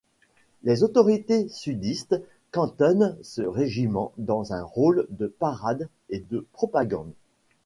Les autorités sudistes cantonnent ce régiment dans un rôle de parade et de propagande.